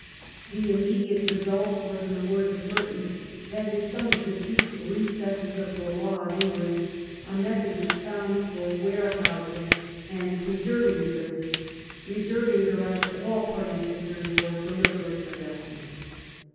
The immediate result was, in the words of Burton, that "in some of the deep re cesses of the law of England a method was found for warehousing and preserving the goods, reserving the rights of all parties concerned for deliberate adjust ment."